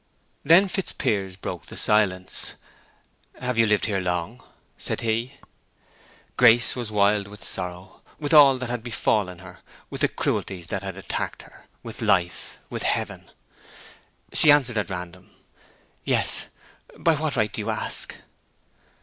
Then Fitzpiers broke the silence. "Have you lived here long?" said he. Grace was wild with sorrow—with all that had befallen her—with the cruelties that had attacked her—with life—with Heaven. She answered at random. "Yes. By what right do you ask?"